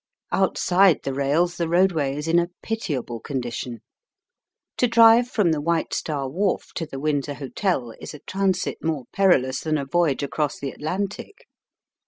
Outside the rails the roadway is in a pitiable condition. To drive from the White Star Wharf to the Windsor Hotel is a transit more perilous than a voyage across the Atlantic.